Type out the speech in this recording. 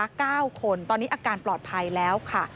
๙คนตอนนี้อาการปลอดภัยแล้วค่ะ